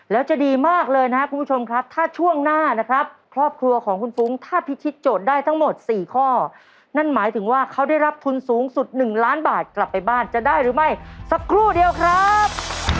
แล้วจะดีมากเลยนะครับคุณผู้ชมครับถ้าช่วงหน้านะครับครอบครัวของคุณฟุ้งถ้าพิชิตโจทย์ได้ทั้งหมด๔ข้อนั่นหมายถึงว่าเขาได้รับทุนสูงสุด๑ล้านบาทกลับไปบ้านจะได้หรือไม่สักครู่เดียวครับ